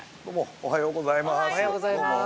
◆おはようございます。